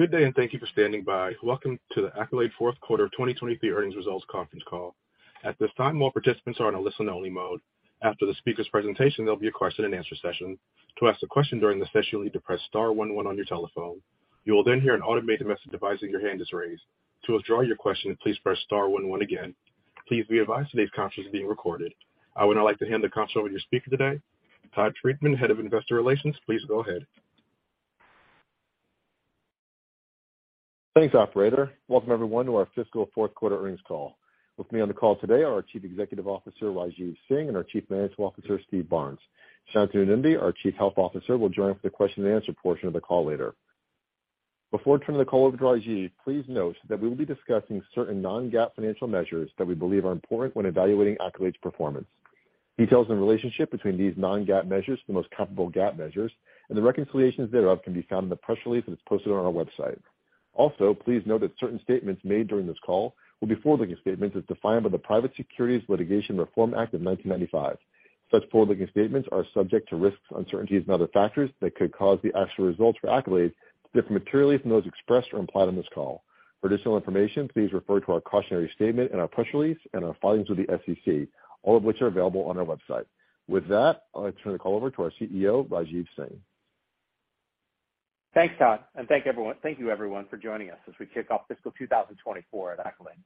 Good day, and fyou for standing by. Welcome to the Accolade fourth quarter 2023 earnings results conference call. At this time, all participants are on a listen only mode. After the speaker's presentation, there'll be a question and answer session. To ask a question during the session, you'll need to press star one one on your telephone. You will then hear an automated message advising your hand is raised. To withdraw your question, please press star one one again. Please be advised today's conference is being recorded. I would now like to hand the conference over to your speaker today, Todd Friedman, Head of Investor Relations. Please go ahead. Thanks, operator. Welcome everyone to our fiscal fourth quarter earnings call. With me on the call today are our Chief Executive Officer, Rajeev Singh, and our Chief Financial Officer, Steve Barnes. Shantanu Nundy, our Chief Health Officer, will join us for the question and answer portion of the call later. Before turning the call over to Rajeev, please note that we will be discussing certain non-GAAP financial measures that we believe are important when evaluating Accolade's performance. Details and relationship between these non-GAAP measures, the most comparable GAAP measures and the reconciliations thereof can be found in the press release that's posted on our website. Please note that certain statements made during this call will be forward-looking statements as defined by the Private Securities Litigation Reform Act of 1995. Such forward-looking statements are subject to risks, uncertainties and other factors that could cause the actual results for Accolade to differ materially from those expressed or implied on this call. For additional information, please refer to our cautionary statement in our press release and our filings with the SEC, all of which are available on our website. I'd like to turn the call over to our CEO, Rajeev Singh. Thanks, Todd, thank you everyone for joining us as we kick off fiscal 2024 at Accolade.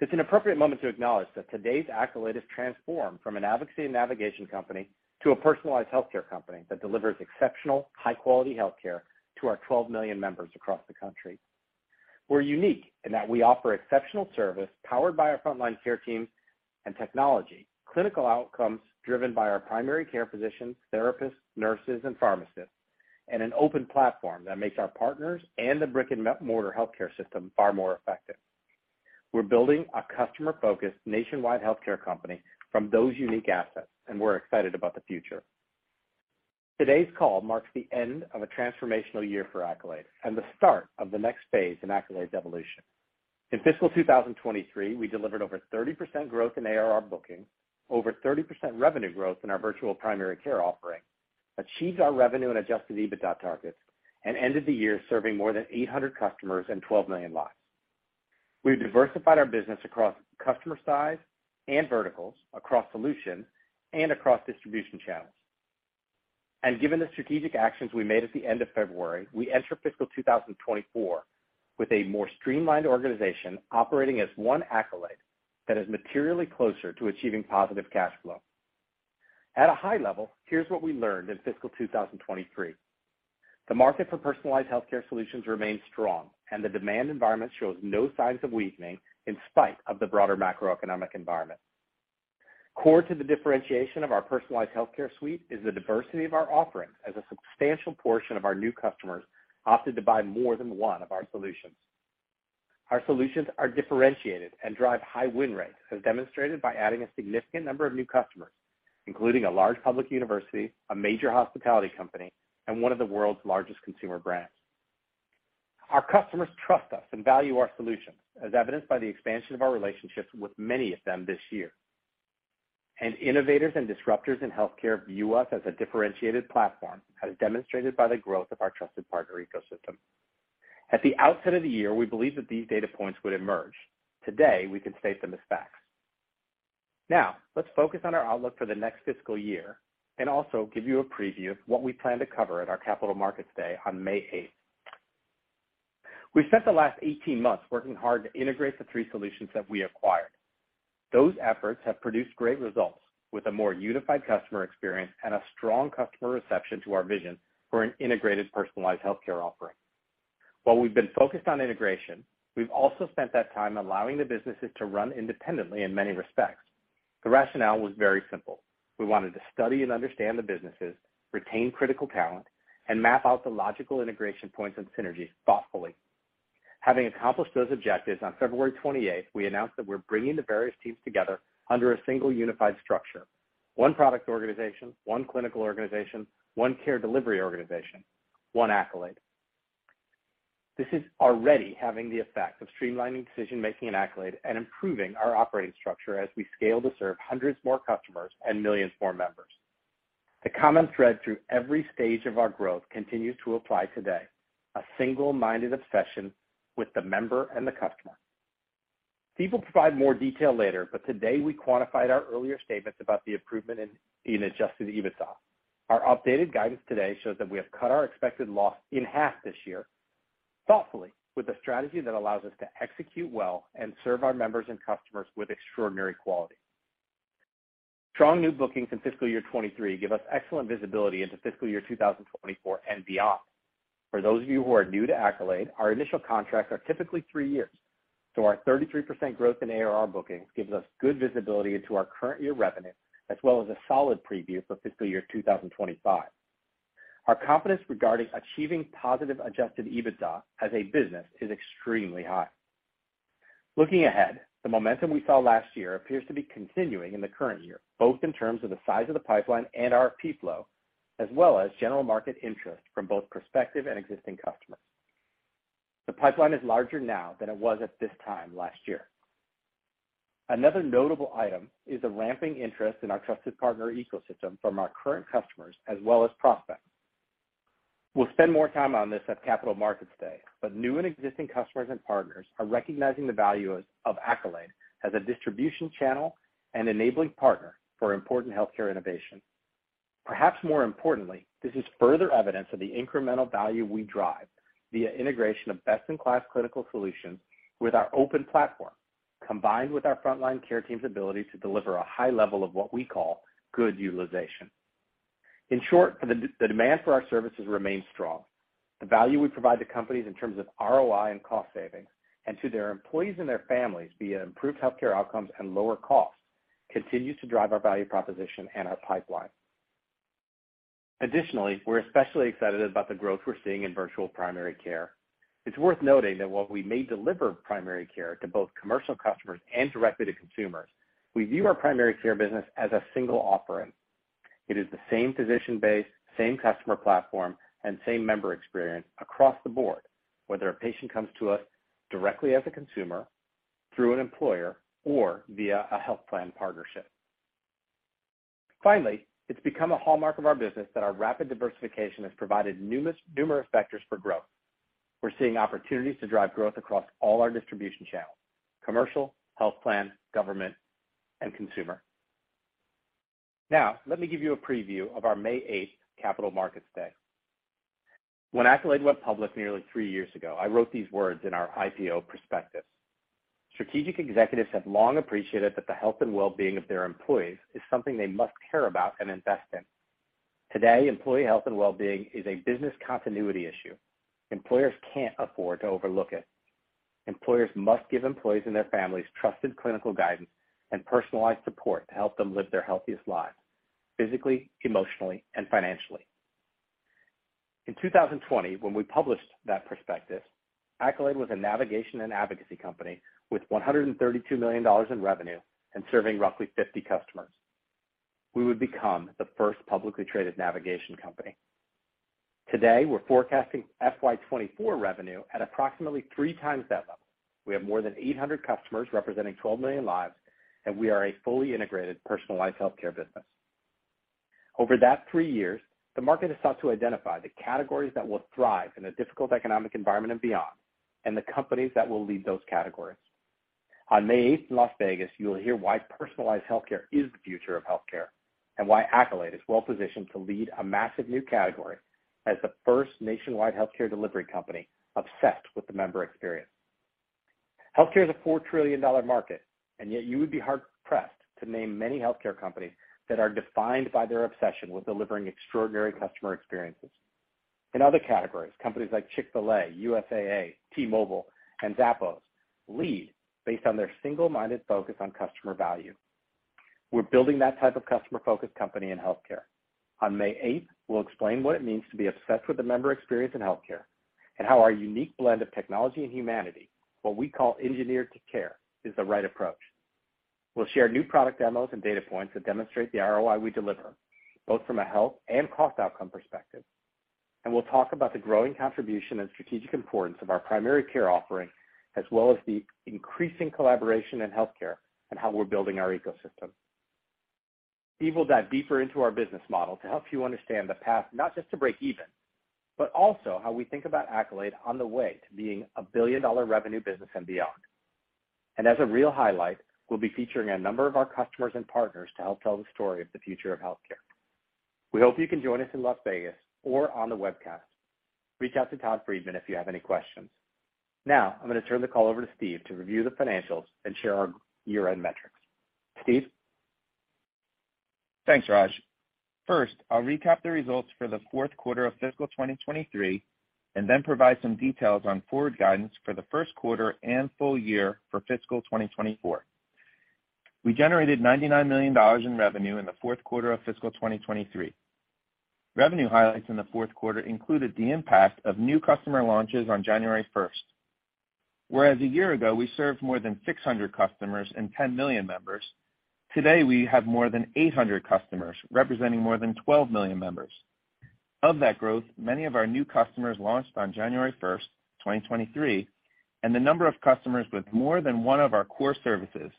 It's an appropriate moment to acknowledge that today's Accolade is transformed from an advocacy and navigation company to a personalized healthcare company that delivers exceptional, high-quality healthcare to our 12 million members across the country. We're unique in that we offer exceptional service powered by our frontline care teams and technology, clinical outcomes driven by our primary care physicians, therapists, nurses and pharmacists, an open platform that makes our partners and the brick and mortar healthcare system far more effective. We're building a customer-focused nationwide healthcare company from those unique assets, we're excited about the future. Today's call marks the end of a transformational year for Accolade and the start of the next phase in Accolade's evolution. In fiscal 2023, we delivered over 30% growth in ARR bookings, over 30% revenue growth in our virtual primary care offering, achieved our revenue and adjusted EBITDA targets, and ended the year serving more than 800 customers and 12 million lives. We've diversified our business across customer size and verticals, across solutions and across distribution channels. Given the strategic actions we made at the end of February, we enter fiscal 2024 with a more streamlined organization operating as one Accolade that is materially closer to achieving positive cash flow. At a high level, here's what we learned in fiscal 2023. The market for personalized healthcare solutions remains strong, and the demand environment shows no signs of weakening in spite of the broader macroeconomic environment. Core to the differentiation of our personalized healthcare suite is the diversity of our offerings as a substantial portion of our new customers opted to buy more than one of our solutions. Our solutions are differentiated and drive high win rates as demonstrated by adding a significant number of new customers, including a large public university, a major hospitality company, and one of the world's largest consumer brands. Our customers trust us and value our solutions, as evidenced by the expansion of our relationships with many of them this year. Innovators and disruptors in healthcare view us as a differentiated platform, as demonstrated by the growth of our trusted partner ecosystem. At the outset of the year, we believe that these data points would emerge. Today, we can state them as facts. Let's focus on our outlook for the next fiscal year and also give you a preview of what we plan to cover at our Capital Markets Day on May 8th. We've spent the last 18 months working hard to integrate the three solutions that we acquired. Those efforts have produced great results with a more unified customer experience and a strong customer reception to our vision for an integrated, personalized healthcare offering. While we've been focused on integration, we've also spent that time allowing the businesses to run independently in many respects. The rationale was very simple. We wanted to study and understand the businesses, retain critical talent, and map out the logical integration points and synergies thoughtfully. Having accomplished those objectives, February 28th, we announced that we're bringing the various teams together under a single unified structure. One product organization, one clinical organization, one care delivery organization, one Accolade. This is already having the effect of streamlining decision-making in Accolade and improving our operating structure as we scale to serve hundreds more customers and millions more members. The common thread through every stage of our growth continues to apply today: A single-minded obsession with the member and the customer. Steve will provide more detail later, but today we quantified our earlier statements about the improvement in adjusted EBITDA. Our updated guidance today shows that we have cut our expected loss in half this year, thoughtfully, with a strategy that allows us to execute well and serve our members and customers with extraordinary quality. Strong new bookings in fiscal year 2023 give us excellent visibility into fiscal year 2024 and beyond. For those of you who are new to Accolade, our initial contracts are typically three years. Our 33% growth in ARR bookings gives us good visibility into our current year revenue, as well as a solid preview for fiscal year 2025. Our confidence regarding achieving positive adjusted EBITDA as a business is extremely high. Looking ahead, the momentum we saw last year appears to be continuing in the current year, both in terms of the size of the pipeline and our RFP flow, as well as general market interest from both prospective and existing customers. The pipeline is larger now than it was at this time last year. Another notable item is the ramping interest in our trusted partner ecosystem from our current customers as well as prospects. We'll spend more time on this at Capital Markets Day, but new and existing customers and partners are recognizing the value of Accolade as a distribution channel and enabling partner for important healthcare innovation. Perhaps more importantly, this is further evidence of the incremental value we drive via integration of best-in-class clinical solutions with our open platform, combined with our frontline care team's ability to deliver a high level of what we call good utilization. In short, the demand for our services remains strong. The value we provide to companies in terms of ROI and cost savings, and to their employees their families via improved healthcare outcomes and lower costs, continues to drive our value proposition and our pipeline. We're especially excited about the growth we're seeing in virtual primary care. It's worth noting that while we may deliver primary care to both commercial customers and directly to consumers, we view our primary care business as a single offering. It is the same physician base, same customer platform, and same member experience across the board, whether a patient comes to us directly as a consumer, through an employer, or via a health plan partnership. It's become a hallmark of our business that our rapid diversification has provided numerous vectors for growth. We're seeing opportunities to drive growth across all our distribution channels: commercial, health plan, government, and consumer. Let me give you a preview of our May 8th Capital Markets Day. When Accolade went public nearly three years ago, I wrote these words in our IPO prospectus: "Strategic executives have long appreciated that the health and well-being of their employees is something they must care about and invest in. Today, employee health and well-being is a business continuity issue. Employers can't afford to overlook it. Employers must give employees and their families trusted clinical guidance and personalized support to help them live their healthiest lives, physically, emotionally, and financially." In 2020, when we published that prospectus, Accolade was a navigation and advocacy company with $132 million in revenue and serving roughly 50 customers. We would become the first publicly traded navigation company. Today, we're forecasting FY 2024 revenue at approximately 3x that level. We have more than 800 customers representing 12 million lives, and we are a fully integrated, personalized healthcare business. Over that three years, the market has sought to identify the categories that will thrive in a difficult economic environment and beyond, and the companies that will lead those categories. On May 8th in Las Vegas, you will hear why personalized healthcare is the future of healthcare, and why Accolade is well-positioned to lead a massive new category as the first nationwide healthcare delivery company obsessed with the member experience. Healthcare is a $4 trillion market, and yet you would be hard-pressed to name many healthcare companies that are defined by their obsession with delivering extraordinary customer experiences. In other categories, companies like Chick-fil-A, USAA, T-Mobile, and Zappos lead based on their single-minded focus on customer value. We're building that type of customer-focused company in healthcare. On May 8th, we'll explain what it means to be obsessed with the member experience in healthcare and how our unique blend of technology and humanity, what we call engineered to care, is the right approach. We'll share new product demos and data points that demonstrate the ROI we deliver, both from a health and cost outcome perspective. We'll talk about the growing contribution and strategic importance of our primary care offering, as well as the increasing collaboration in healthcare and how we're building our ecosystem. Steve will dive deeper into our business model to help you understand the path not just to break even, but also how we think about Accolade on the way to being a billion-dollar revenue business and beyond. As a real highlight, we'll be featuring a number of our customers and partners to help tell the story of the future of healthcare. We hope you can join us in Las Vegas or on the webcast. Reach out to Todd Friedman if you have any questions. Now, I'm gonna turn the call over to Steve to review the financials and share our year-end metrics. Steve? Thanks, Raj. First, I'll recap the results for the fourth quarter of fiscal 2023 and then provide some details on forward guidance for the first quarter and full year for fiscal 2024. We generated $99 million in revenue in the fourth quarter of fiscal 2023. Revenue highlights in the fourth quarter included the impact of new customer launches on January 1st. Whereas a year ago, we served more than 600 customers and 10 million members, today we have more than 800 customers representing more than 12 million members. Of that growth, many of our new customers launched on January 1st, 2023, and the number of customers with more than one of our core services,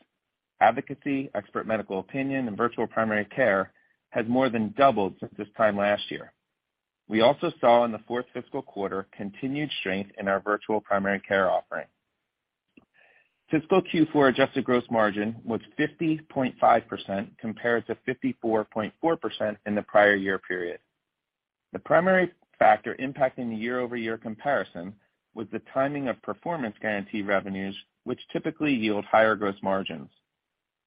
advocacy, expert medical opinion, and virtual primary care, has more than doubled since this time last year. We also saw in the fourth fiscal quarter continued strength in our virtual primary care offering. Fiscal Q4 adjusted gross margin was 50.5% compared to 54.4% in the prior year period. The primary factor impacting the year-over-year comparison was the timing of performance guarantee revenues, which typically yield higher gross margins.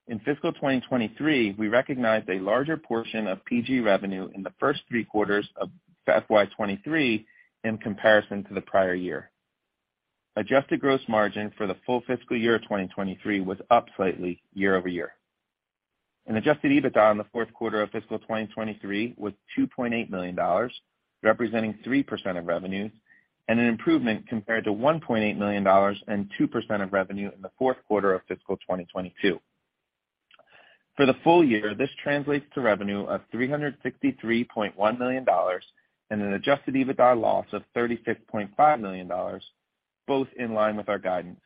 In fiscal 2023, we recognized a larger portion of PG revenue in the first three quarters of FY 2023 in comparison to the prior year. Adjusted gross margin for the full fiscal year of 2023 was up slightly year-over-year. Adjusted EBITDA in the fourth quarter of fiscal 2023 was $2.8 million, representing 3% of revenue and an improvement compared to $1.8 million and 2% of revenue in the fourth quarter of fiscal 2022. For the full year, this translates to revenue of $363.1 million and an adjusted EBITDA loss of $36.5 million, both in line with our guidance.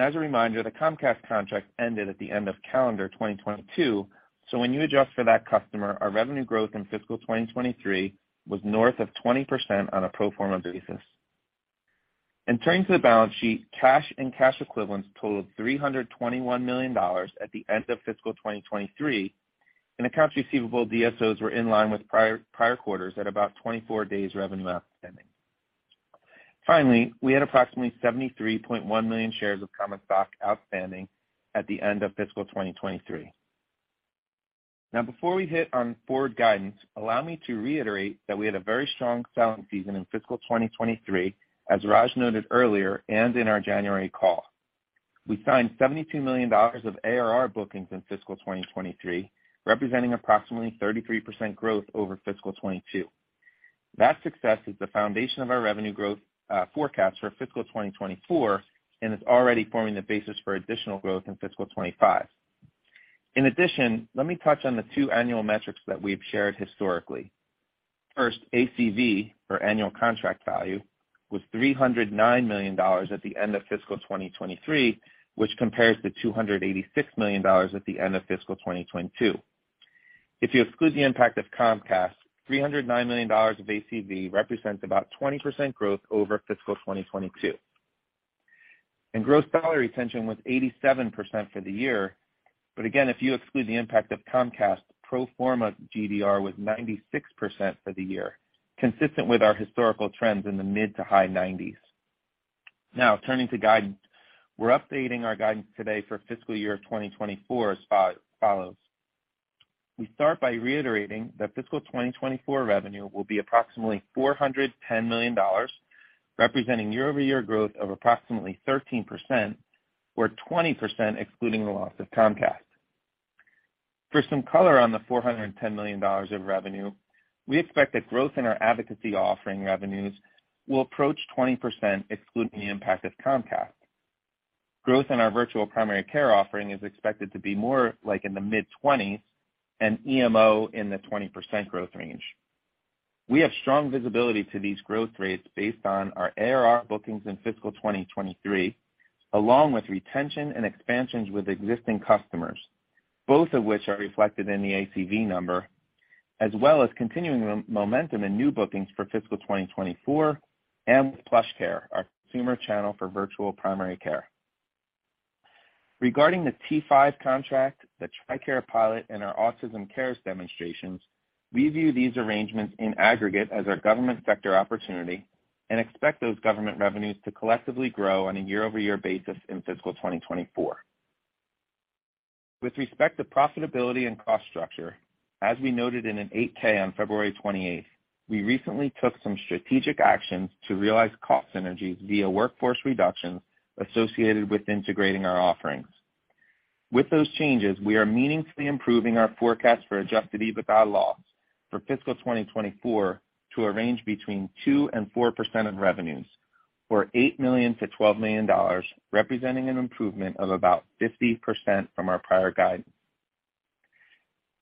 As a reminder, the Comcast contract ended at the end of calendar 2022, so when you adjust for that customer, our revenue growth in fiscal 2023 was north of 20% on a pro forma basis. Turning to the balance sheet, cash and cash equivalents totaled $321 million at the end of fiscal 2023, and accounts receivable DSOs were in line with prior quarters at about 24 days revenue outstanding. Finally, we had approximately 73.1 million shares of common stock outstanding at the end of fiscal 2023. Before we hit on forward guidance, allow me to reiterate that we had a very strong selling season in fiscal 2023, as Raj noted earlier, and in our January call. We signed $72 million of ARR bookings in fiscal 2023, representing approximately 33% growth over fiscal 2022. That success is the foundation of our revenue growth forecast for fiscal 2024 and is already forming the basis for additional growth in fiscal 2025. Let me touch on the two annual metrics that we've shared historically. First, ACV, or Annual Contract Value, was $309 million at the end of fiscal 2023, which compares to $286 million at the end of fiscal 2022. If you exclude the impact of Comcast, $309 million of ACV represents about 20% growth over fiscal 2022. Gross Dollar Retention was 87% for the year. Again, if you exclude the impact of Comcast, pro forma GDR was 96% for the year, consistent with our historical trends in the mid to high 90s. Turning to guidance. We're updating our guidance today for fiscal year 2024 as follows. We start by reiterating that fiscal 2024 revenue will be approximately $410 million, representing year-over-year growth of approximately 13% or 20% excluding the loss of Comcast. For some color on the $410 million of revenue, we expect that growth in our advocacy offering revenues will approach 20% excluding the impact of Comcast. Growth in our virtual primary care offering is expected to be more like in the mid-20s and EMO in the 20% growth range. We have strong visibility to these growth rates based on our ARR bookings in fiscal 2023, along with retention and expansions with existing customers, both of which are reflected in the ACV number, as well as continuing momentum in new bookings for fiscal 2024 and with PlushCare, our consumer channel for virtual primary care. Regarding the T5 contract, the TRICARE pilot, and our Autism Care Demonstration, we view these arrangements in aggregate as our government sector opportunity and expect those government revenues to collectively grow on a year-over-year basis in fiscal 2024. With respect to profitability and cost structure, as we noted in an 8-K on February 28th, we recently took some strategic actions to realize cost synergies via workforce reductions associated with integrating our offerings. With those changes, we are meaningfully improving our forecast for adjusted EBITDA loss for fiscal 2024 to a range between 2% and 4% of revenues, or $8 million-$12 million, representing an improvement of about 50% from our prior guidance.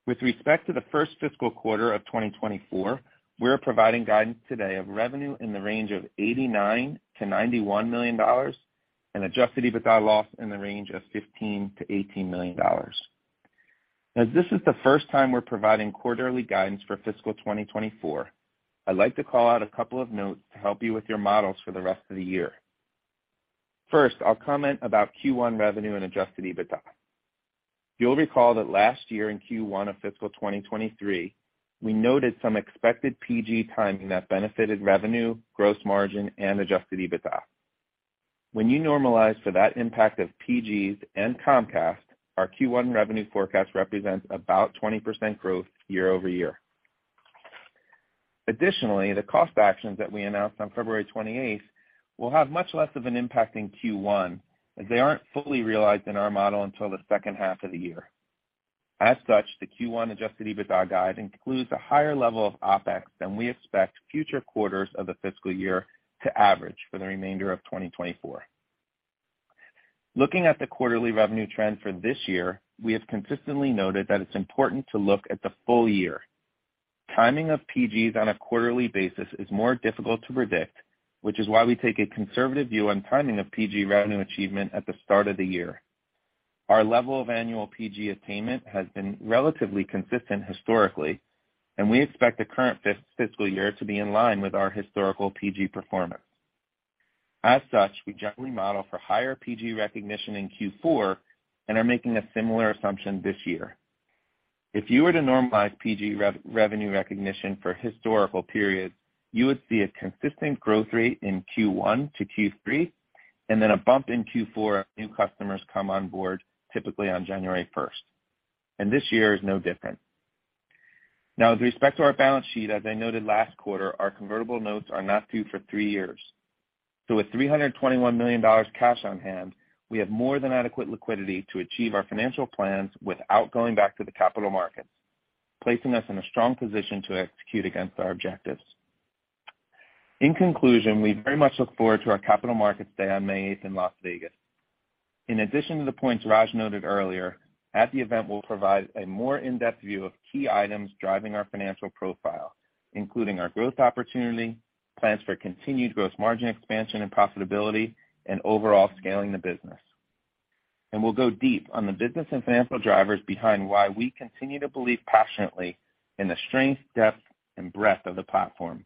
With respect to the first fiscal quarter of 2024, we're providing guidance today of revenue in the range of $89 million-$91 million and adjusted EBITDA loss in the range of $15 million-$18 million. As this is the first time we're providing quarterly guidance for fiscal 2024, I'd like to call out a couple of notes to help you with your models for the rest of the year. First, I'll comment about Q1 revenue and adjusted EBITDA. You'll recall that last year in Q1 of fiscal 2023, we noted some expected PG timing that benefited revenue, gross margin, and adjusted EBITDA. When you normalize for that impact of PGs and Comcast, our Q1 revenue forecast represents about 20% growth year-over-year. Additionally, the cost actions that we announced on February 28th will have much less of an impact in Q1, as they aren't fully realized in our model until the second half of the year. The Q1 adjusted EBITDA guide includes a higher level of OpEx than we expect future quarters of the fiscal year to average for the remainder of 2024. Looking at the quarterly revenue trends for this year, we have consistently noted that it's important to look at the full year. Timing of PGs on a quarterly basis is more difficult to predict, which is why we take a conservative view on timing of PG revenue achievement at the start of the year. Our level of annual PG attainment has been relatively consistent historically, and we expect the current fiscal year to be in line with our historical PG performance. As such, we generally model for higher PG recognition in Q4 and are making a similar assumption this year. If you were to normalize PG revenue recognition for historical periods, you would see a consistent growth rate in Q1 to Q3, and then a bump in Q4 as new customers come on board, typically on January 1st. This year is no different. With respect to our balance sheet, as I noted last quarter, our convertible notes are not due for three years. With $321 million cash on hand, we have more than adequate liquidity to achieve our financial plans without going back to the capital markets, placing us in a strong position to execute against our objectives. In conclusion, we very much look forward to our Capital Markets Day on May 8th in Las Vegas. In addition to the points Raj noted earlier, at the event, we'll provide a more in-depth view of key items driving our financial profile, including our growth opportunity, plans for continued gross margin expansion and profitability, and overall scaling the business. We'll go deep on the business and financial drivers behind why we continue to believe passionately in the strength, depth, and breadth of the platform,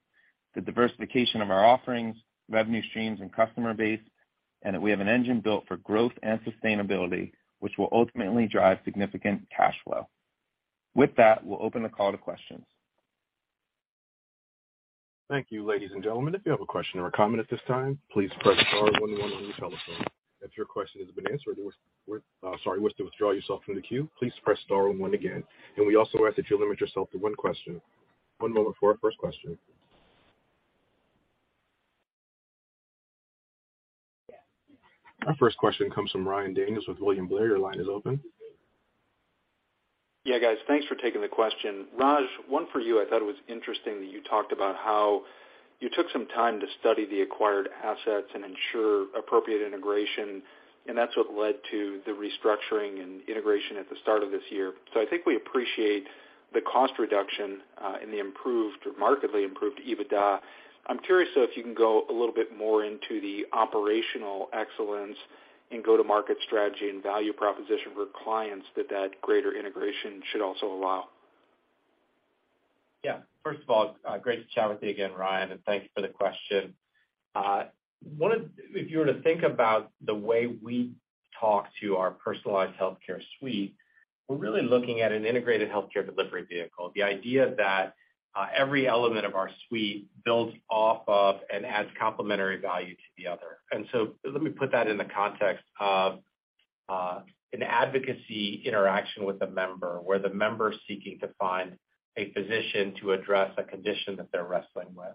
the diversification of our offerings, revenue streams, and customer base, and that we have an engine built for growth and sustainability, which will ultimately drive significant cash flow. With that, we'll open the call to questions. Thank you, ladies and gentlemen. If you have a question or a comment at this time, please press star one one on your telephone. If your question has been answered or wish to withdraw yourself from the queue, please press star one one again. We also ask that you limit yourself to one question. One moment for our first question. Our first question comes from Ryan Daniels with William Blair. Your line is open. Yeah, guys. Thanks for taking the question. Raj, one for you. I thought it was interesting that you talked about how you took some time to study the acquired assets and ensure appropriate integration, and that's what led to the restructuring and integration at the start of this year. I think we appreciate the cost reduction, in the improved or markedly improved EBITDA. I'm curious, though, if you can go a little bit more into the operational excellence and go-to-market strategy and value proposition for clients that greater integration should also allow. Yeah. First of all, great to chat with you again, Ryan, and thanks for the question. If you were to think about the way we talk to our personalized healthcare suite, we're really looking at an integrated healthcare delivery vehicle. The idea that every element of our suite builds off of and adds complementary value to the other. Let me put that in the context of an advocacy interaction with a member, where the member is seeking to find a physician to address a condition that they're wrestling with.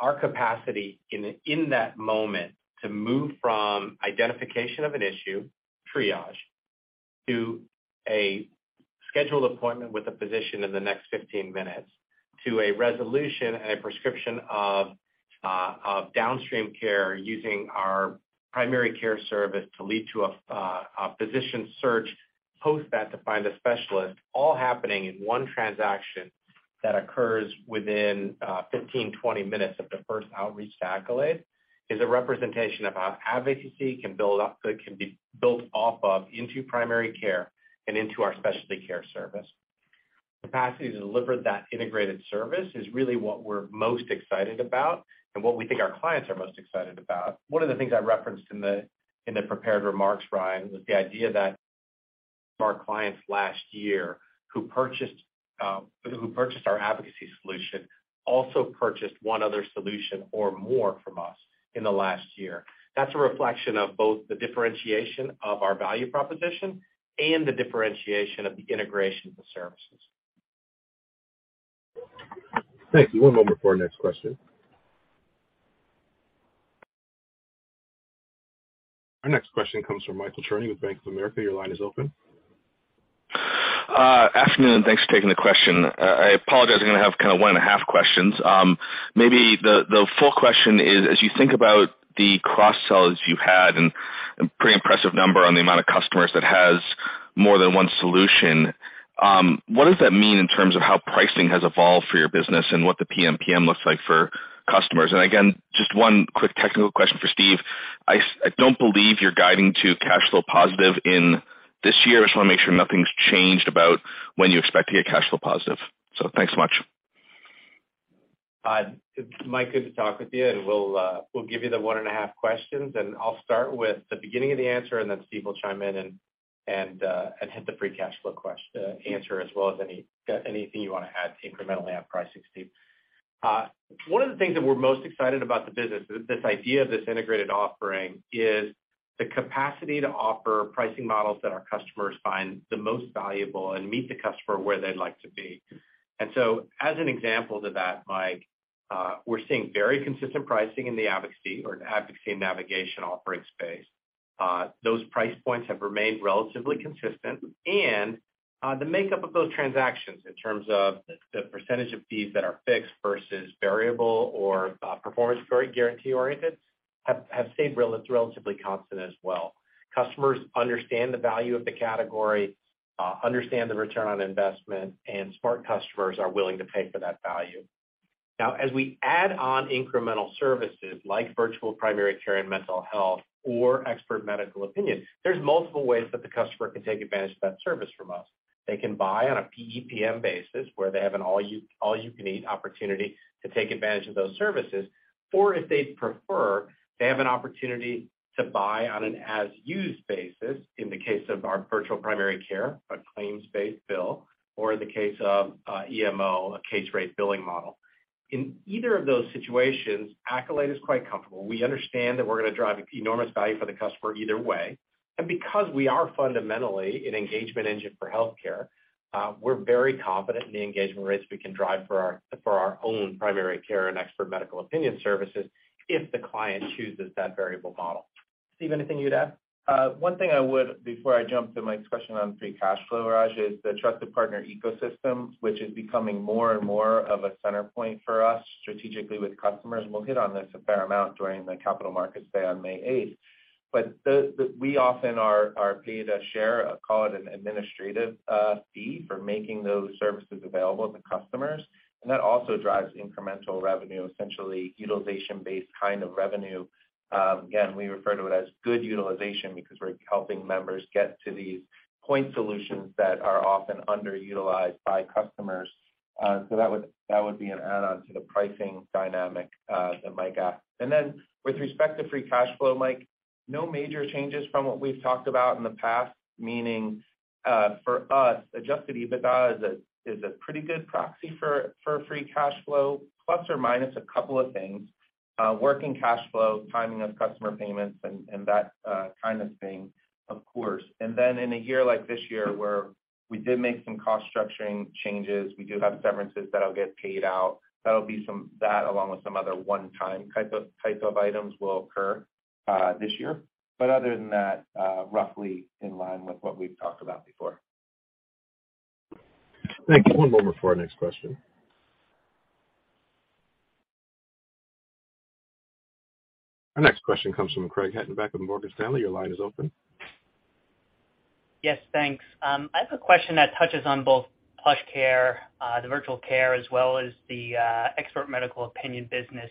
Our capacity in that moment to move from identification of an issue, triage, to a scheduled appointment with a physician in the next 15 minutes, to a resolution and a prescription of downstream care using our primary care service to lead to a physician search, post that to find a specialist, all happening in one transaction that occurs within 15, 20 minutes of the first outreach to Accolade, is a representation of how advocacy can be built off of into primary care and into our specialty care service. Capacity to deliver that integrated service is really what we're most excited about and what we think our clients are most excited about. One of the things I referenced in the, in the prepared remarks, Ryan, was the idea that our clients last year who purchased our advocacy solution also purchased one other solution or more from us in the last year. That's a reflection of both the differentiation of our value proposition and the differentiation of the integration of the services. Thank you. One moment for our next question. Our next question comes from Michael Cherny with Bank of America. Your line is open. Afternoon, and thanks for taking the question. I apologize, I'm gonna have kinda 1.5 questions. Maybe the full question is, as you think about the cross-sells you had and pretty impressive number on the amount of customers that has more than one solution, what does that mean in terms of how pricing has evolved for your business and what the PMPM looks like for customers? Again, just one quick technical question for Steve. I don't believe you're guiding to cash flow positive in this year. I just wanna make sure nothing's changed about when you expect to get cash flow positive. Thanks so much. Mike, good to talk with you, and we'll give you the one and a half questions, and I'll start with the beginning of the answer, and then Steve will chime in and hit the free cash flow answer as well as any, anything you wanna add incrementally on pricing, Steve. One of the things that we're most excited about the business is this idea of this integrated offering is the capacity to offer pricing models that our customers find the most valuable and meet the customer where they'd like to be. As an example to that, Mike, we're seeing very consistent pricing in the advocacy or advocacy and navigation offering space. Those price points have remained relatively consistent. The makeup of those transactions in terms of the percentage of fees that are fixed versus variable or performance guarantee-oriented, have stayed relatively constant as well. Customers understand the value of the category, understand the return on investment, and smart customers are willing to pay for that value. Now, as we add on incremental services like virtual primary care and mental health or expert medical opinion, there's multiple ways that the customer can take advantage of that service from us. They can buy on a PEPM basis, where they have an all you can eat opportunity to take advantage of those services. If they'd prefer, they have an opportunity to buy on an as used basis in the case of our virtual primary care, a claims-based bill, or in the case of EMO, a case-rate billing model. In either of those situations, Accolade is quite comfortable. We understand that we're gonna drive enormous value for the customer either way. Because we are fundamentally an engagement engine for healthcare, we're very confident in the engagement rates we can drive for our own primary care and expert medical opinion services if the client chooses that variable model. Steve, anything you'd add? One thing I would before I jump to Mike's question on free cash flow, Raj, is the trusted partner ecosystem, which is becoming more and more of a center point for us strategically with customers. We'll hit on this a fair amount during the Capital Markets Day on May 8th. We often are paid a share, call it an administrative fee for making those services available to customers. That also drives incremental revenue, essentially utilization-based kind of revenue. Again, we refer to it as good utilization because we're helping members get to these point solutions that are often underutilized by customers. That would be an add-on to the pricing dynamic that Mike asked. With respect to free cash flow, Mike, no major changes from what we've talked about in the past, meaning, for us, adjusted EBITDA is a pretty good proxy for free cash flow, plus or minus a couple of things, working cash flow, timing of customer payments and that kind of thing, of course. In a year like this year where we did make some cost structuring changes, we do have severances that'll get paid out. That along with some other one-time type of items will occur this year. Other than that, roughly in line with what we've talked about before. Thank you. One moment before our next question. Our next question comes from Craig Hettenbach with Morgan Stanley. Your line is open. Yes, thanks. I have a question that touches on both PlushCare, the virtual care, as well as the expert medical opinion business.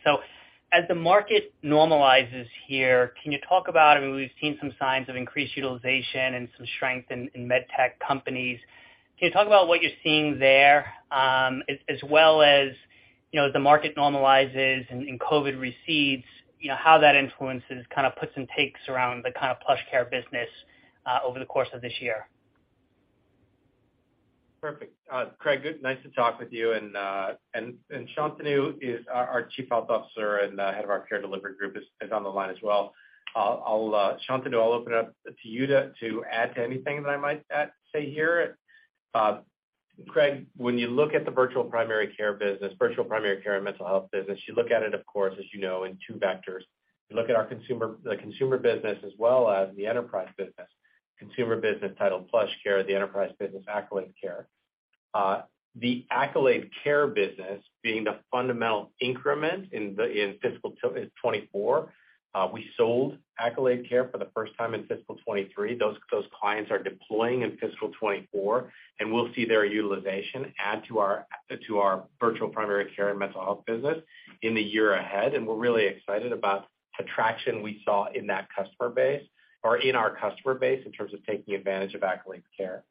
As the market normalizes here, can you talk about, I mean, we've seen some signs of increased utilization and some strength in medtech companies. Can you talk about what you're seeing there, as well as, you know, as the market normalizes and COVID recedes? You know, how that influences kind of puts and takes around the kind of PlushCare business over the course of this year? Perfect. Craig, good. Nice to talk with you. Shantanu is our Chief Health Officer and Head of our Care Delivery group is on the line as well. I'll open up to you to add to anything that I might say here. Craig, when you look at the virtual primary care business, virtual primary care and mental health business, you look at it, of course, as you know, in two vectors. You look at our consumer business as well as the enterprise business. Consumer business titled PlushCare, the enterprise business, Accolade Care. The Accolade Care business being the fundamental increment in fiscal 2024. We sold Accolade Care for the first time in fiscal 2023. Those clients are deploying in fiscal 2024. We'll see their utilization add to our virtual primary care and mental health business in the year ahead. We're really excited about the traction we saw in that customer base or in our customer base in terms of taking advantage of Accolade Care.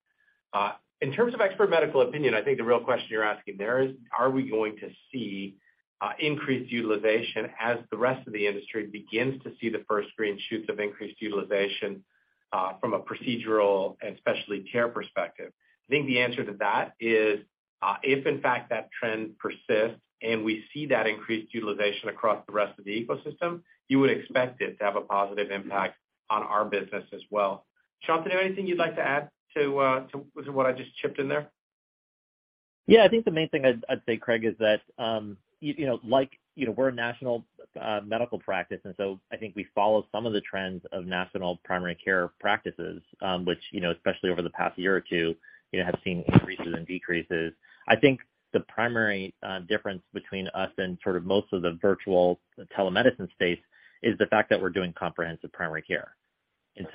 In terms of expert medical opinion, I think the real question you're asking there is, are we going to see increased utilization as the rest of the industry begins to see the first green shoots of increased utilization from a procedural and specialty care perspective? I think the answer to that is, if in fact that trend persists and we see that increased utilization across the rest of the ecosystem, you would expect it to have a positive impact on our business as well. Shantanu, anything you'd like to add to what I just chipped in there? Yeah. I think the main thing I'd say, Craig, is that, you know, like, you know, we're a national medical practice. I think we follow some of the trends of national primary care practices, which, you know, especially over the past year or two, you know, have seen increases and decreases. I think the primary difference between us and sort of most of the virtual telemedicine space is the fact that we're doing comprehensive primary care.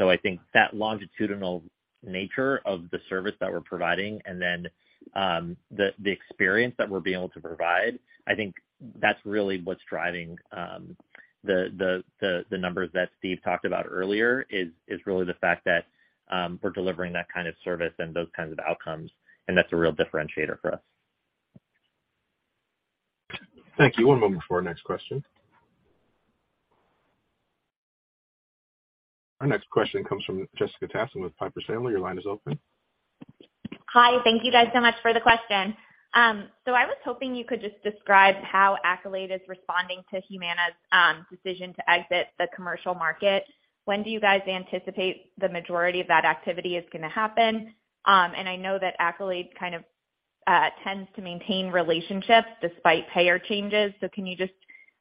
I think that longitudinal nature of the service that we're providing and then, the experience that we're being able to provide, I think that's really what's driving, the numbers that Steve talked about earlier is really the fact that, we're delivering that kind of service and those kinds of outcomes, and that's a real differentiator for us. Thank you. One moment before our next question. Our next question comes from Jessica Tassan with Piper Sandler. Your line is open. Hi. Thank you guys so much for the question. I was hoping you could just describe how Accolade is responding to Humana's decision to exit the commercial market. When do you guys anticipate the majority of that activity is gonna happen? I know that Accolade kind of tends to maintain relationships despite payer changes. Can you just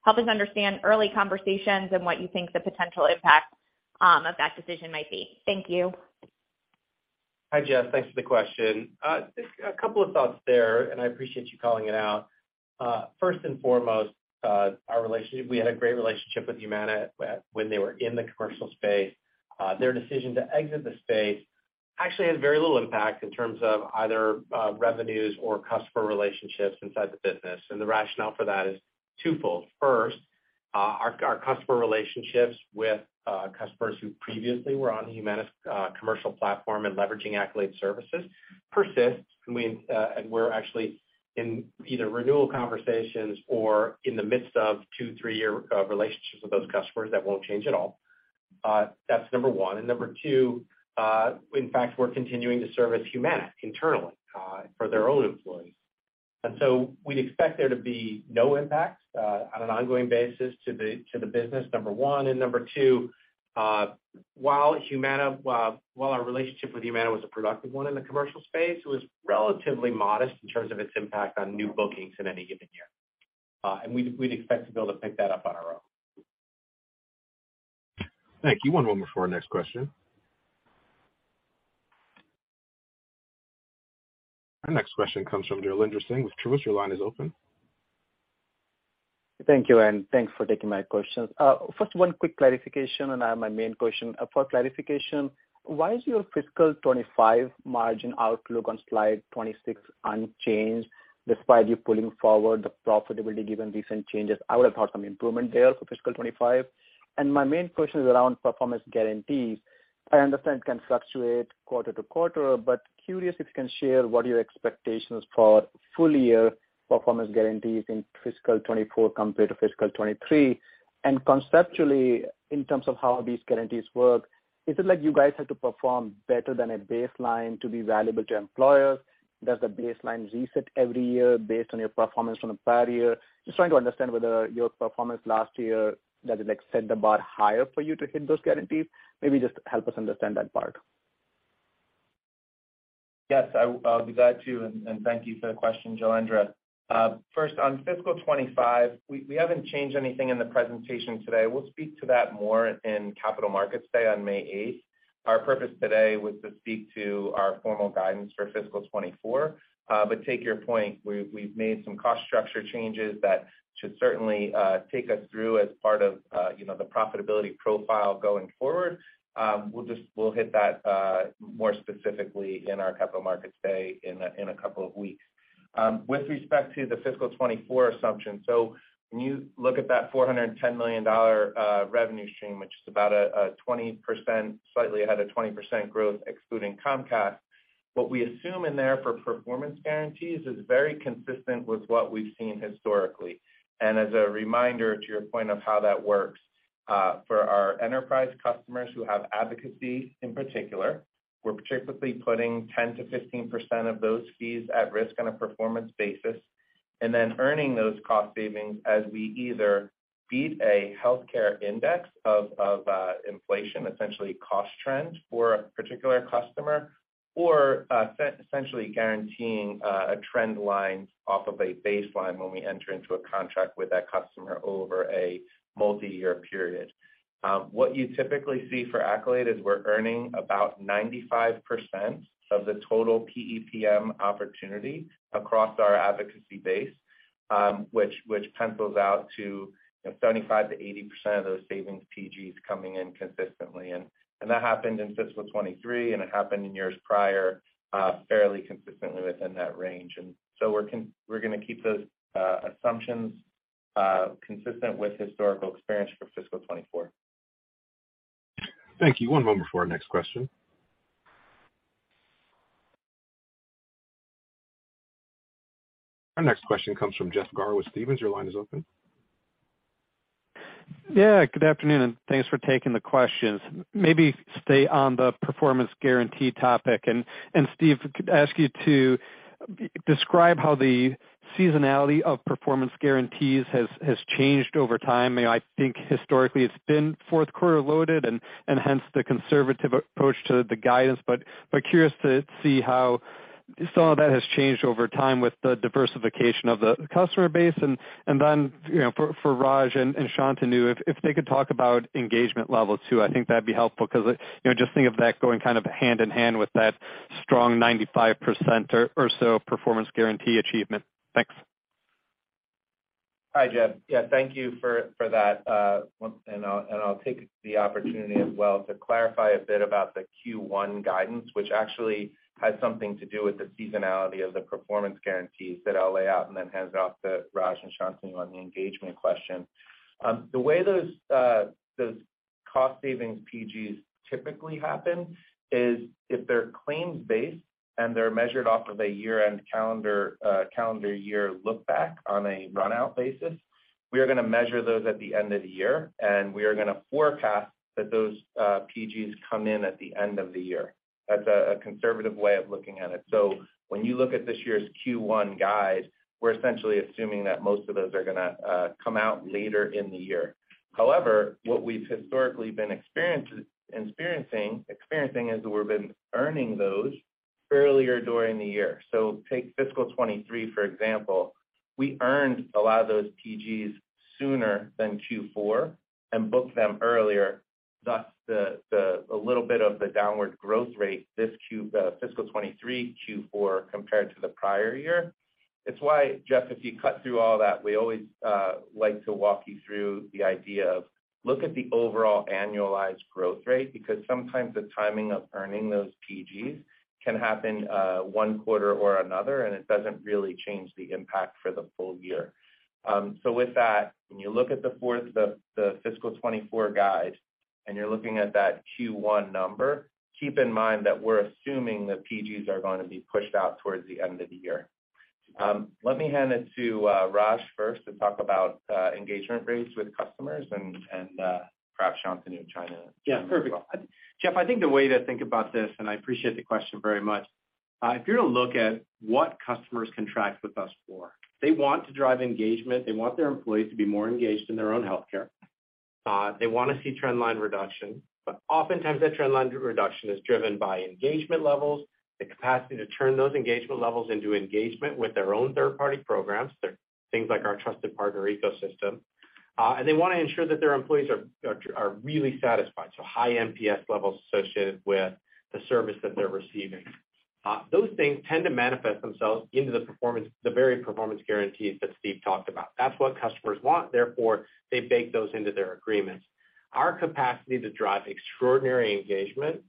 help us understand early conversations and what you think the potential impact of that decision might be? Thank you. Hi, Jess. Thanks for the question. Just a couple of thoughts there, and I appreciate you calling it out. First and foremost, our relationship, we had a great relationship with Humana when they were in the commercial space. Their decision to exit the space actually has very little impact in terms of either revenues or customer relationships inside the business. The rationale for that is twofold. First, our customer relationships with customers who previously were on Humana's commercial platform and leveraging Accolade services persists. I mean, we're actually in either renewal conversations or in the midst of two, three-year relationships with those customers. That won't change at all. That's number one. Number two, in fact, we're continuing to service Humana internally for their own employees. We'd expect there to be no impact on an ongoing basis to the business, number one. Number two, while Humana, while our relationship with Humana was a productive one in the commercial space, it was relatively modest in terms of its impact on new bookings in any given year. We'd expect to be able to pick that up on our own. Thank you. One moment before our next question. Our next question comes from Jailendra Singh with Truist. Your line is open. Thank you. Thanks for taking my questions. First, one quick clarification. I have my main question. For clarification, why is your fiscal 2025 margin outlook on slide 26 unchanged despite you pulling forward the profitability given recent changes? I would have thought some improvement there for fiscal 2025. My main question is around performance guarantees. I understand it can fluctuate quarter-to-quarter, but curious if you can share what are your expectations for full year performance guarantees in fiscal 2024 compared to fiscal 2023. Conceptually, in terms of how these guarantees work, is it like you guys have to perform better than a baseline to be valuable to employers? Does the baseline reset every year based on your performance from the prior year? Just trying to understand whether your performance last year, does it like set the bar higher for you to hit those guarantees? Maybe just help us understand that part. Yes, I'll be glad to, and thank you for the question, Jailendra. First, on fiscal 2025, we haven't changed anything in the presentation today. We'll speak to that more in Capital Markets Day on May 8th. Our purpose today was to speak to our formal guidance for fiscal 2024. Take your point. We've made some cost structure changes that should certainly take us through as part of, you know, the profitability profile going forward. We'll hit that more specifically in our Capital Markets Day in a couple of weeks. With respect to the fiscal 2024 assumption, when you look at that $410 million revenue stream, which is about a 20%, slightly ahead of 20% growth excluding Comcast, what we assume in there for performance guarantees is very consistent with what we've seen historically. As a reminder to your point of how that works, for our enterprise customers who have advocacy, in particular, we're typically putting 10%-15% of those fees at risk on a performance basis, and then earning those cost savings as we either beat a healthcare index of inflation, essentially cost trend for a particular customer or essentially guaranteeing a trend line off of a baseline when we enter into a contract with that customer over a multi-year period. What you typically see for Accolade is we're earning about 95% of the total PEPM opportunity across our advocacy base, which pencils out to, you know, 75%-80% of those savings PGs coming in consistently. That happened in fiscal 2023, and it happened in years prior, fairly consistently within that range. We're gonna keep those assumptions consistent with historical experience for fiscal 2024. Thank you. One moment before our next question. Our next question comes from Jeff Garro with Stephens. Your line is open. Yeah, good afternoon, and thanks for taking the questions. Maybe stay on the performance guarantee topic. And Steve, if I could ask you to describe how the seasonality of performance guarantees has changed over time. You know, I think historically it's been fourth quarter loaded and hence the conservative approach to the guidance. But curious to see how some of that has changed over time with the diversification of the customer base. Then, you know, for Raj and Shantanu, if they could talk about engagement levels too, I think that'd be helpful 'cause I, you know, just think of that going kind of hand in hand with that strong 95% or so performance guarantee achievement. Thanks. Hi, Jeff. Yeah, thank you for that. I'll take the opportunity as well to clarify a bit about the Q1 guidance, which actually has something to do with the seasonality of the performance guarantees that I'll lay out and then hand it off to Raj and Shantanu on the engagement question. The way those cost savings PGs typically happen is if they're claims-based and they're measured off of a year-end calendar year look back on a run-out basis, we are gonna measure those at the end of the year, and we are gonna forecast that those PGs come in at the end of the year. That's a conservative way of looking at it. When you look at this year's Q1 guide, we're essentially assuming that most of those are gonna come out later in the year. However, what we've historically been experiencing is we've been earning those earlier during the year. Take fiscal 2023, for example. We earned a lot of those PGs sooner than Q4 and booked them earlier, thus a little bit of the downward growth rate fiscal 2023 Q4 compared to the prior year. It's why, Jeff, if you cut through all that, we always like to walk you through the idea of look at the overall annualized growth rate, because sometimes the timing of earning those PGs can happen one quarter or another, and it doesn't really change the impact for the full year. With that, when you look at the fourth, the fiscal 2024 guide, and you're looking at that Q1 number, keep in mind that we're assuming the PGs are gonna be pushed out towards the end of the year. Let me hand it to Raj first to talk about engagement rates with customers and perhaps Shantanu chime in as well. Yeah, perfect. Jeff, I think the way to think about this, and I appreciate the question very much, if you're to look at what customers contract with us for, they want to drive engagement. They want their employees to be more engaged in their own healthcare. They wanna see trend line reduction, but oftentimes that trend line reduction is driven by engagement levels, the capacity to turn those engagement levels into engagement with their own third-party programs, their things like our trusted partner ecosystem. And they wanna ensure that their employees are really satisfied, so high NPS levels associated with the service that they're receiving. Those things tend to manifest themselves into the performance, the very performance guarantees that Steve talked about. That's what customers want, therefore, they bake those into their agreements. Our capacity to drive extraordinary engagement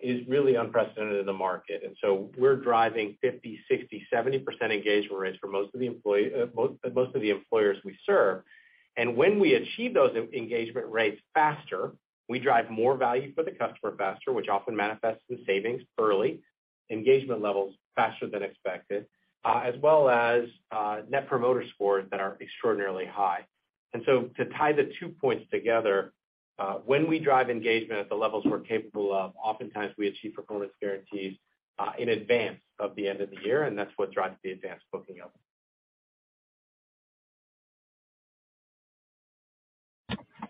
is really unprecedented in the market. We're driving 50%, 60%, 70% engagement rates for most of the employers we serve. When we achieve those engagement rates faster, we drive more value for the customer faster, which often manifests in savings early, engagement levels faster than expected, as well as Net Promoter Scores that are extraordinarily high. To tie the two points together, when we drive engagement at the levels we're capable of, oftentimes we achieve performance guarantees in advance of the end of the year, and that's what drives the advanced booking up.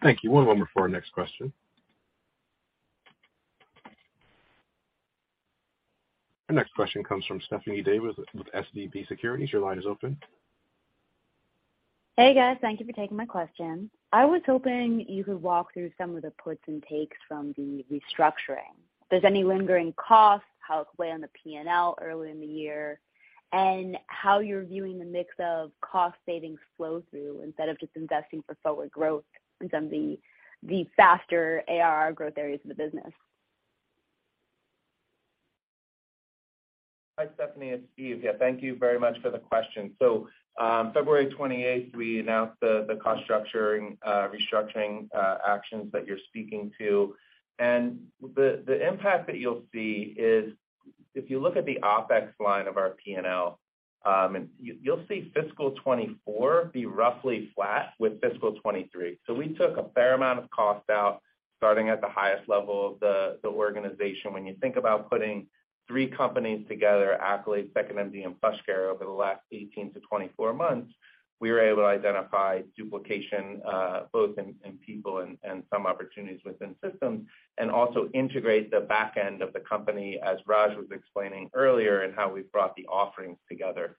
Thank you. One moment for our next question. Our next question comes from Stephanie Davis with SVB Securities. Your line is open. Hey, guys. Thank you for taking my question. I was hoping you could walk through some of the puts and takes from the restructuring. If there's any lingering costs, how it could play on the P&L early in the year? And how you're viewing the mix of cost savings flow through, instead of just investing for forward growth in some of the faster ARR growth areas of the business? Hi, Stephanie. It's Steve. Yeah, thank you very much for the question. February 28th, we announced the cost structuring restructuring actions that you're speaking to. The impact that you'll see is if you look at the OpEx line of our P&L, you'll see fiscal 2024 be roughly flat with fiscal 2023. We took a fair amount of cost out, starting at the highest level of the organization. When you think about putting three companies together, Accolade, 2nd.MD, and PlushCare, over the last 18-24 months, we were able to identify duplication in people and some opportunities within systems, and also integrate the back end of the company, as Raj was explaining earlier, in how we've brought the offerings together.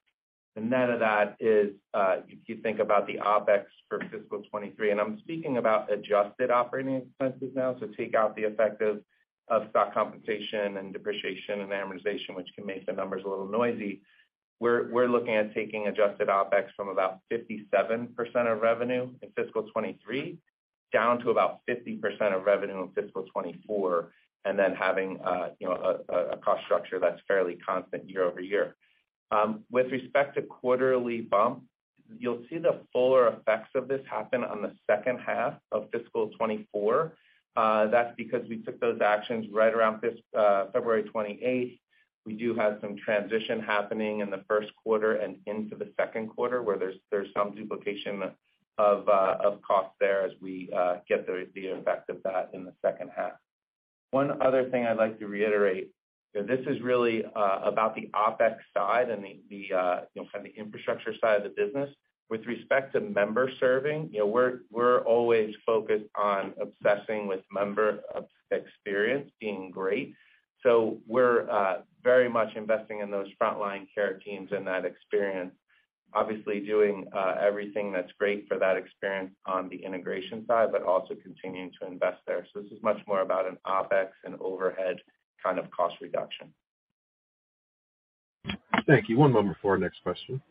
The net of that is, if you think about the OpEx for fiscal 2023, I'm speaking about adjusted operating expenses now, take out the effect of stock compensation and depreciation and amortization, which can make the numbers a little noisy. We're looking at taking adjusted OpEx from about 57% of revenue in fiscal 2023, down to about 50% of revenue in fiscal 2024, then having, you know, a cost structure that's fairly constant year-over-year. With respect to quarterly bump, you'll see the fuller effects of this happen on the second half of fiscal 2024. That's because we took those actions right around February 28th. We do have some transition happening in the first quarter and into the second quarter, where there's some duplication of costs there as we get the effect of that in the second half. One other thing I'd like to reiterate, that this is really about the OpEx side and the, you know, kind of infrastructure side of the business. With respect to member serving, you know, we're always focused on obsessing with member experience being great. We're very much investing in those frontline care teams and that experience, obviously doing everything that's great for that experience on the integration side, but also continuing to invest there. This is much more about an OpEx and overhead kind of cost reduction. Thank you. One moment for our next question.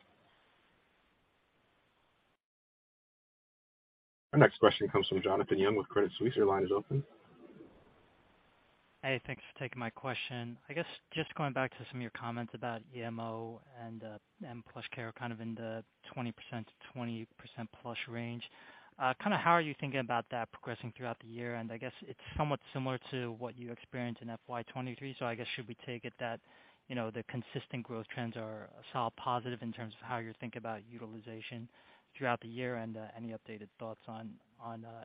Our next question comes from Jonathan Yong with Credit Suisse. Your line is open. Hey, thanks for taking my question. I guess just going back to some of your comments about EMO and PlushCare kind of in the 20%-20%+ range. Kind of how are you thinking about that progressing throughout the year? I guess it's somewhat similar to what you experienced in FY 2023, so I guess should we take it that, you know, the consistent growth trends are still positive in terms of how you're thinking about utilization throughout the year, and any updated thoughts on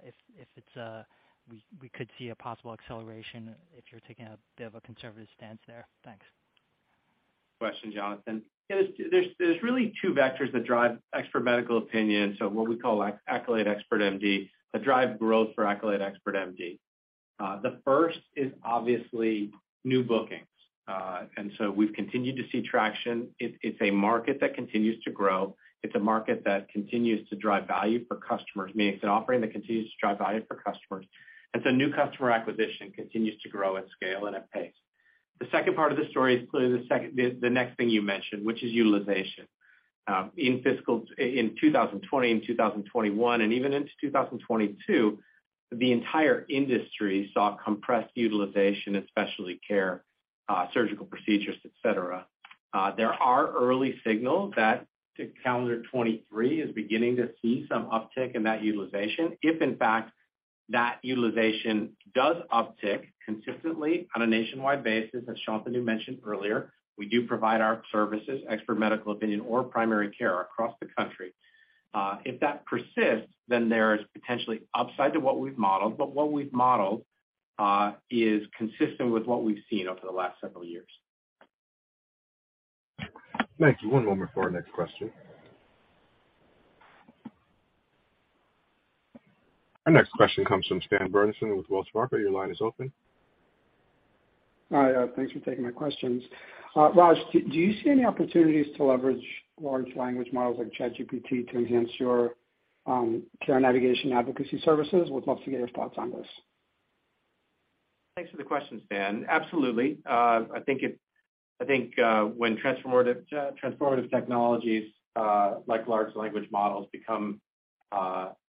if it's we could see a possible acceleration if you're taking a bit of a conservative stance there? Thanks. Question, Jonathan. There's really two vectors that drive extra medical opinion, so what we call Accolade Expert MD, that drive growth for Accolade Expert MD. The first is obviously new bookings. We've continued to see traction. It's a market that continues to grow. It's a market that continues to drive value for customers, meaning it's an offering that continues to drive value for customers. New customer acquisition continues to grow at scale and at pace. The second part of the story is clearly the next thing you mentioned, which is utilization. In fiscal 2020 and 2021, and even into 2022, the entire industry saw compressed utilization in specialty care, surgical procedures, et cetera. There are early signals that calendar 2023 is beginning to see some uptick in that utilization. If in fact that utilization does uptick consistently on a nationwide basis, as Shantanu mentioned earlier, we do provide our services, expert medical opinion or primary care, across the country. If that persists, then there is potentially upside to what we've modeled, but what we've modeled is consistent with what we've seen over the last several years. Thank you. One moment for our next question. Our next question comes from Stan Berenshteyn with Wells Fargo. Your line is open. Hi. Thanks for taking my questions. Raj, do you see any opportunities to leverage large language models like ChatGPT to enhance your care navigation advocacy services? Would love to get your thoughts on this. Thanks for the question, Stan. Absolutely. I think when transformative technologies like large language models become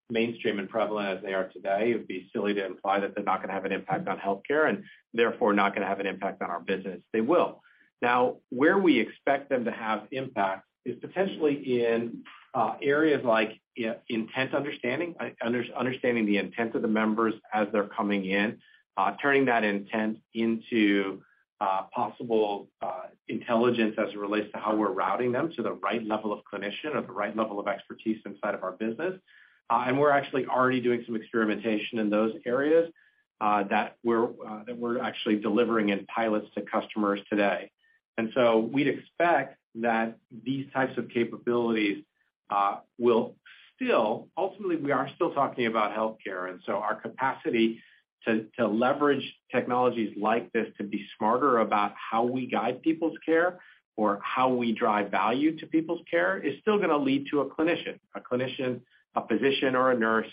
mainstream and prevalent as they are today, it would be silly to imply that they're not going to have an impact on healthcare and therefore not going to have an impact on our business. They will. Where we expect them to have impact is potentially in areas like intent understanding the intent of the members as they're coming in, turning that intent into possible intelligence as it relates to how we're routing them to the right level of clinician or the right level of expertise inside of our business. And we're actually already doing some experimentation in those areas that we're actually delivering in pilots to customers today. We'd expect that these types of capabilities, will still, ultimately, we are still talking about healthcare. And so our capacity to leverage technologies like this to be smarter about how we guide people's care or how we drive value to people's care is still gonna lead to a clinician, a physician, or a nurse,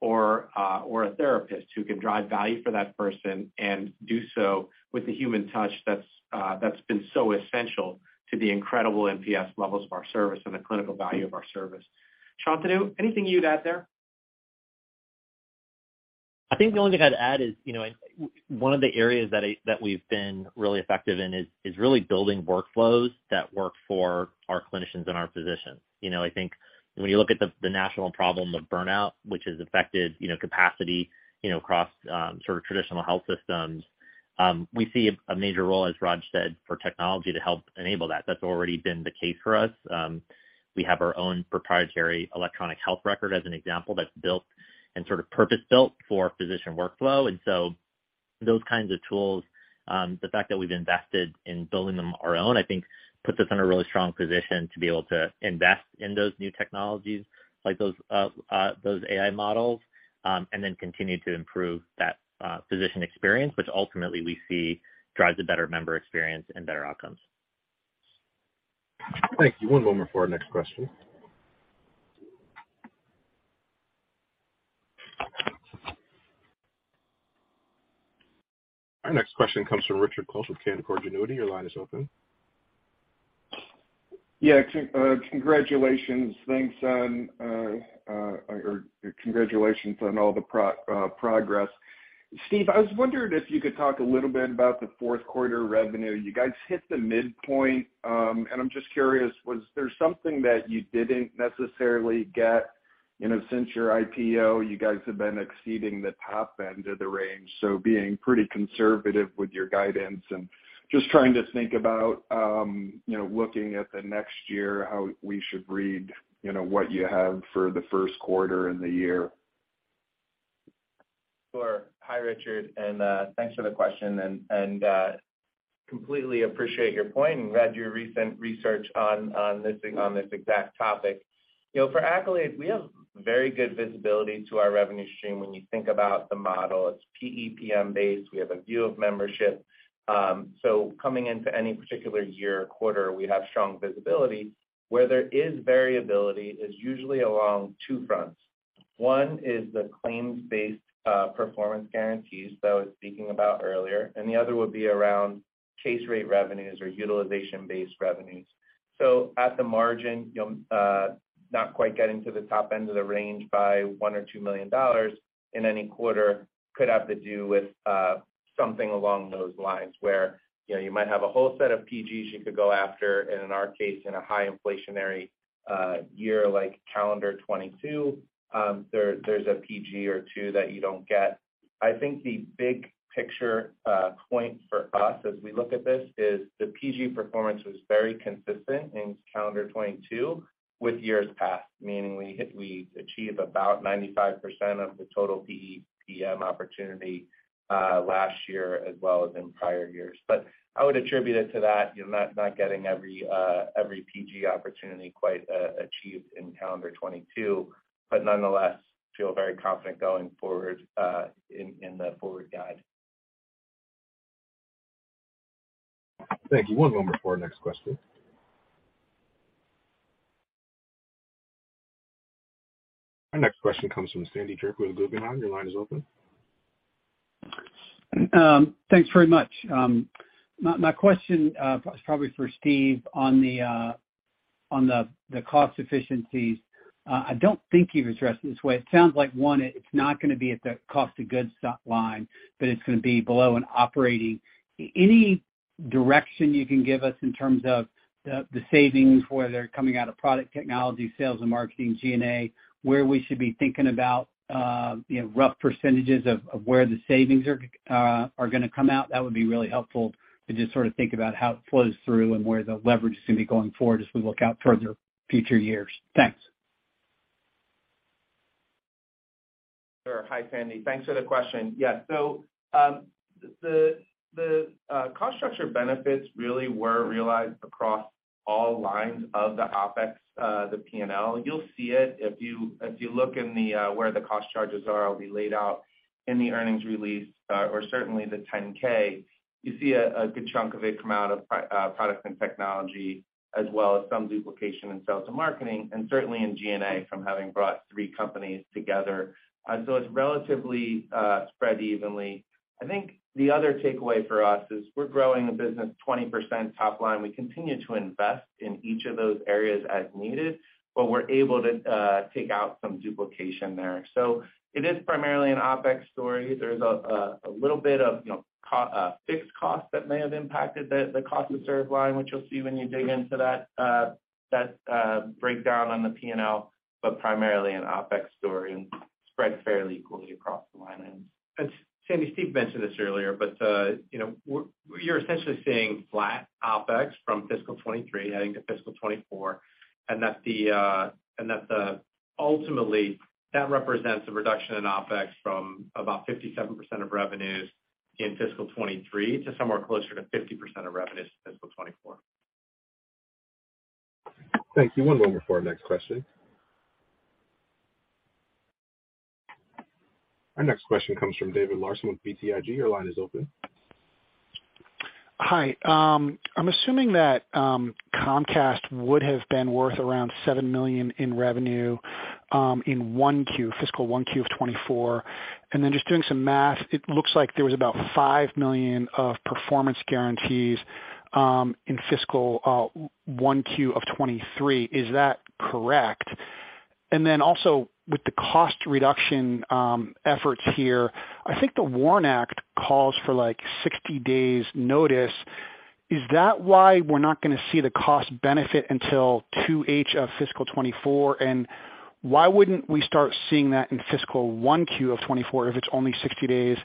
or a therapist who can drive value for that person and do so with the human touch that's been so essential to the incredible NPS levels of our service and the clinical value of our service. Shantanu, anything you'd add there? I think the only thing I'd add is, you know, one of the areas that we've been really effective in is really building workflows that work for our clinicians and our physicians. You know, I think when you look at the national problem of burnout, which has affected, you know, capacity, you know, across sort of traditional health systems, we see a major role, as Raj said, for technology to help enable that. That's already been the case for us. We have our own proprietary electronic health record as an example that's built and sort of purpose-built for physician workflow. Those kinds of tools, the fact that we've invested in building them our own, I think puts us in a really strong position to be able to invest in those new technologies like those AI models, and then continue to improve that physician experience, which ultimately we see drives a better member experience and better outcomes. Thank you. One moment for our next question. Our next question comes from Richard Close with Canaccord Genuity. Your line is open. Yeah. Congratulations on all the progress. Steve, I was wondering if you could talk a little bit about the fourth quarter revenue. You guys hit the midpoint. I'm just curious, was there something that you didn't necessarily get? You know, since your IPO, you guys have been exceeding the top end of the range, so being pretty conservative with your guidance. Just trying to think about, you know, looking at the next year, how we should read? You know, what you have for the first quarter in the year? Sure. Hi, Richard, and thanks for the question and completely appreciate your point and read your recent research on this exact topic. You know, for Accolade, we have very good visibility to our revenue stream. When you think about the model, it's PEPM-based. We have a view of membership. Coming into any particular year or quarter, we have strong visibility. Where there is variability is usually along two fronts. One is the claims-based performance guarantees that I was speaking about earlier, the other would be around case rate revenues or utilization-based revenues. At the margin, you'll not quite getting to the top end of the range by $1 million-$2 million in any quarter could have to do with something along those lines where, you know, you might have a whole set of PGs you could go after, and in our case, in a high inflationary year like calendar 2022, there's a PG or two that you don't get. I think the big picture point for us as we look at this is the PG performance was very consistent in calendar 2022 with years past. Meaning we achieved about 95% of the total PEPM opportunity last year as well as in prior years. I would attribute it to that, you know, not getting every PG opportunity quite achieved in calendar 2022, but nonetheless feel very confident going forward in the forward guide. Thank you. One moment for our next question. Our next question comes from Sandy Draper with Guggenheim. Your line is open. Thanks very much. My question is probably for Steve on the cost efficiencies. I don't think you've addressed it this way. It sounds like, one, it's not gonna be at the cost of goods line, but it's gonna be below in operating. Any direction you can give us in terms of the savings, whether coming out of product technology, sales and marketing, G&A, where we should be thinking about rough percentages where the savings are gonna come out? That would be really helpful to just sort of think about how it flows through and where the leverage is gonna be going forward as we look out further future years. Thanks. Sure. Hi, Sandy. Thanks for the question. The cost structure benefits really were realized across all lines of the OpEx, the P&L. You'll see it if you look in the, where the cost charges are, it'll be laid out in the earnings release, or certainly the 10-K. You see a good chunk of it come out of products and technology, as well as some duplication in sales and marketing, and certainly in G&A from having brought three companies together. It's relatively spread evenly. I think the other takeaway for us is we're growing the business 20% top line. We continue to invest in each of those areas as needed, but we're able to take out some duplication there. It is primarily an OpEx story. There's a little bit of, you know, fixed costs that may have impacted the cost to serve line, which you'll see when you dig into that breakdown on the P&L, but primarily an OpEx story and spread fairly equally across the line items. Sandy, Steve mentioned this earlier, but, you know, you're essentially seeing flat OpEx from fiscal 2023 heading to fiscal 2024. Ultimately, that represents a reduction in OpEx from about 57% of revenues in fiscal 2023 to somewhere closer to 50% of revenues in fiscal 2024. Thank you. One moment for our next question. Our next question comes from David Larsen with BTIG. Your line is open. Hi. I'm assuming that Comcast would have been worth around $7 million in revenue in 1Q, fiscal 1Q of 2024. Just doing some math, it looks like there was about $5 million of performance guarantees in fiscal 1Q of 2023. Is that correct? Also, with the cost reduction efforts here, I think the WARN Act calls for, like, 60 days notice. Is that why we're not gonna see the cost benefit until 2H of fiscal 2024? Why wouldn't we start seeing that in fiscal 1Q of 2024 if it's only 60 days,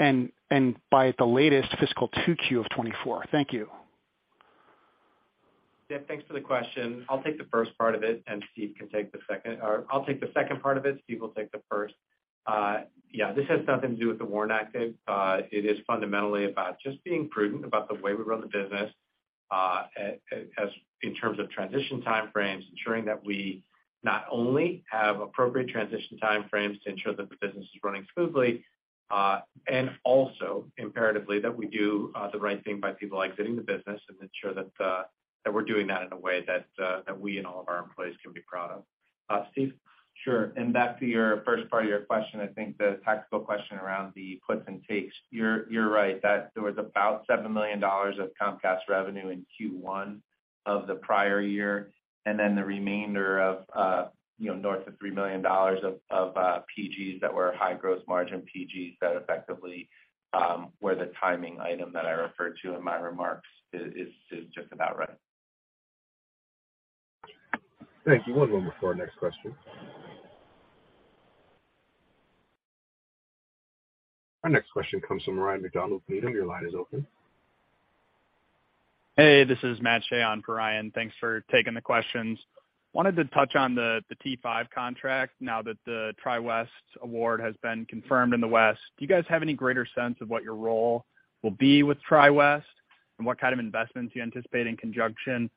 and by the latest fiscal 2Q of 2024? Thank you. Yeah, thanks for the question. I'll take the first part of it, Steve can take the second. I'll take the second part of it, Steve will take the first. Yeah, this has nothing to do with the WARN Act. It is fundamentally about just being prudent about the way we run the business in terms of transition timeframes, ensuring that we not only have appropriate transition timeframes to ensure that the business is running smoothly, and also imperatively that we do the right thing by people exiting the business and ensure that we're doing that in a way that we and all of our employees can be proud of. Steve? Sure. Back to your first part of your question, I think the tactical question around the puts and takes. You're right, that there was about $7 million of Comcast revenue in Q1 of the prior year, and then the remainder of, you know, north of $3 million of PGs that were high gross margin PGs that effectively were the timing item that I referred to in my remarks is just about right. Thank you. One moment for our next question. Our next question comes from Ryan MacDonald with Needham. Your line is open. Hey, this is Matt Shea on for Ryan. Thanks for taking the questions. Wanted to touch on the T5 contract now that the TriWest award has been confirmed in the West. Do you guys have any greater sense of what your role will be with TriWest? And what kind of investments you anticipate in conjunction with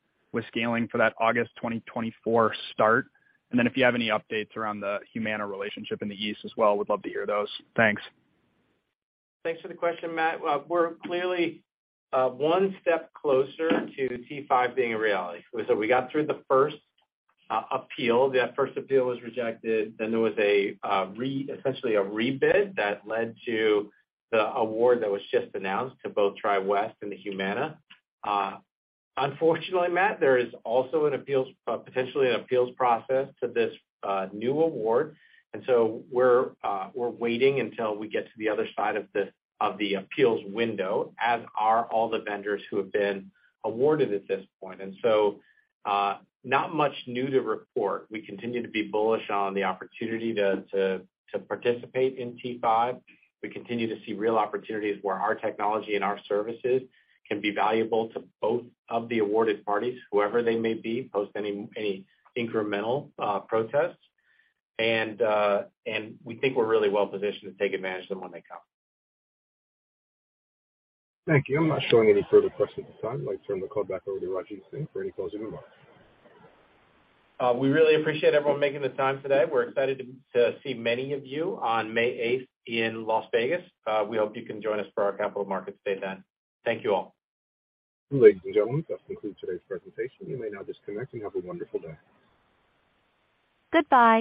scaling for that August 2024 start? If you have any updates around the Humana relationship in the East as well, would love to hear those. Thanks. Thanks for the question, Matt. We're clearly one step closer to T5 being a reality. We got through the first appeal. That first appeal was rejected. There was essentially a rebid that led to the award that was just announced to both TriWest and the Humana. Unfortunately, Matt, there is also potentially an appeals process to this new award. We're waiting until we get to the other side of the appeals window, as are all the vendors who have been awarded at this point. Not much new to report. We continue to be bullish on the opportunity to participate in T5. We continue to see real opportunities where our technology and our services can be valuable to both of the awarded parties, whoever they may be, post any incremental protests. We think we're really well-positioned to take advantage of them when they come. Thank you. I'm not showing any further questions at this time. I'd like to turn the call back over to Rajeev Singh for any closing remarks. We really appreciate everyone making the time today. We're excited to see many of you on May eighth in Las Vegas. We hope you can join us for our Capital Markets Day then. Thank you all. Ladies and gentlemen, that concludes today's presentation. You may now disconnect and have a wonderful day. Goodbye.